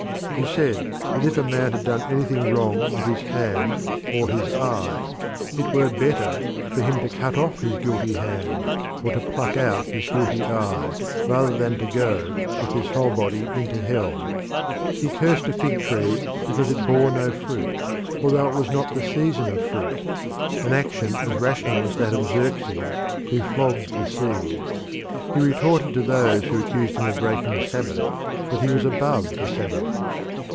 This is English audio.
He said that if a man had done anything wrong with his hand or his eye, it were better for him to cut off his guilty hand, or to pluck out his guilty eye, rather than to go with this whole body into hell. He cursed a fig tree because it bore no fruit, although it was not the season of fruit an action as rational as that of Xerxes, who flogged the sea. He retorted to those who accused him of breaking the Sabbath that he was above the Sabbath.